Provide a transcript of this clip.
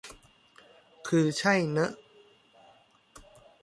คือใช่เนอะ